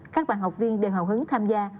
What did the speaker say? các bạn học viên đều hào hứng tham gia